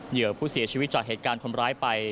เหยื่อผู้เสียชีวิตจากเหตุการณ์คนร้ายไป